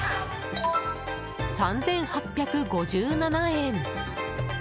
３８５７円！